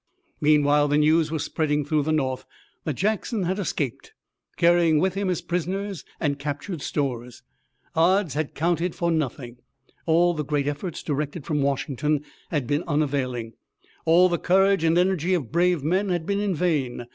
Meanwhile the news was spreading through the North that Jackson had escaped, carrying with him his prisoners and captured stores. Odds had counted for nothing. All the great efforts directed from Washington had been unavailing. All the courage and energy of brave men had been in vain.